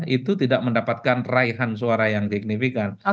itu tidak mendapatkan raihan suara yang signifikan